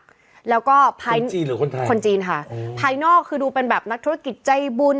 คนจีนหรือคนไทยคนจีนค่ะภายนอกคือดูเป็นแบบนักธุรกิจใจบุญ